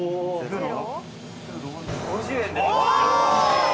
５０円です。